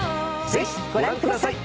ぜひご覧ください。